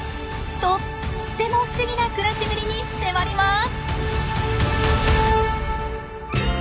とっても不思議な暮らしぶりに迫ります！